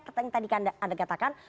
yang tadi anda katakan